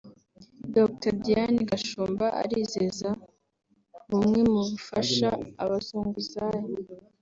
Dr Diane Gashumba arizeza bumwe mu bufasha abazunguzayi